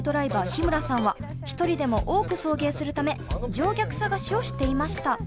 日村さんは一人でも多く送迎するため乗客探しをしていました。